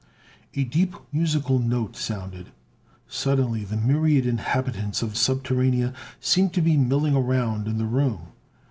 A deep musical note sounded. Suddenly the myriad inhabitants of Subterranea seemed to be milling around in the room.